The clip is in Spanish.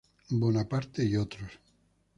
Bonaparte "et al.